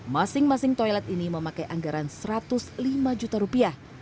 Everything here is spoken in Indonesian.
masing masing toilet ini memakai anggaran satu ratus lima juta rupiah